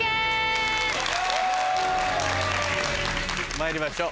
まいりましょう。